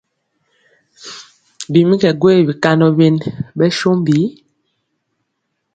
Bi mi kɛ gwee bikandɔ byen ɓɛ sombi?